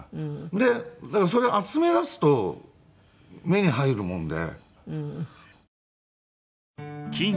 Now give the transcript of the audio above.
でそれ集めだすと目に入るもんで。